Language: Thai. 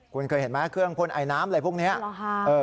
คุณเคยเห็นไหมเครื่องพ่นไอน้ำอะไรพวกนี้